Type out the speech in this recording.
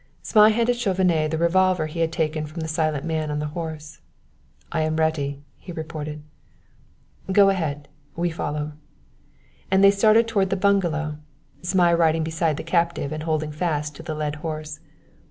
Zmai handed Chauvenet the revolver he had taken from the silent man on the horse. "I am ready," he reported. "Go ahead; we follow;" and they started toward the bungalow, Zmai riding beside the captive and holding fast to the led horse.